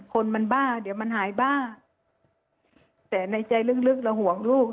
คนมันบ้าเดี๋ยวมันหายบ้าแต่ในใจลึกเราห่วงลูก